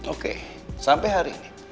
oke sampai hari ini